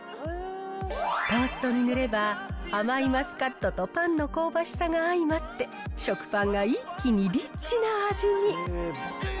トーストに塗れば、甘いマスカットとパンの香ばしさが相まって、食パンが一気にリッチな味に。